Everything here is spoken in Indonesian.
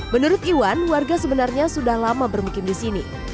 menurut iwan warga sebenarnya sudah lama bermukim di sini